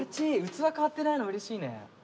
器変わってないのうれしいね。